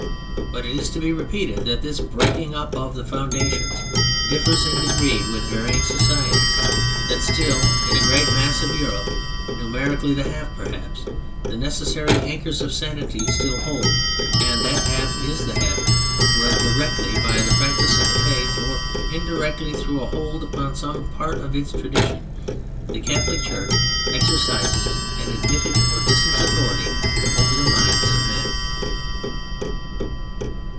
But it is to be repeated that this breaking up of the foundations differs in degree with varying societies, that still in a great mass of Europe, numerically the half perhaps, the necessary anchors of sanity still hold: and that half is the half where directly by the practice of the Faith, or indirectly through a hold upon some part of its tradition, the Catholic Church exercises an admitted or distant authority over the minds of men.